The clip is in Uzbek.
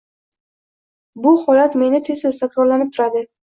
Bbu holat menda tez-tez takrorlanib turadi.